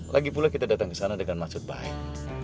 lagi pula kita datang kesana dengan maksud baik